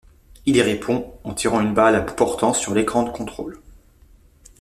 Il y répond en tirant une balle à bout portant sur l'écran de contrôle.